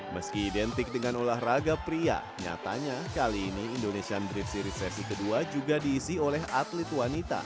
meski identik dengan olahraga pria nyatanya kali ini indonesian drift series sesi kedua juga diisi oleh atlet wanita